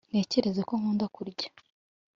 ntekereza ko nkunda kurya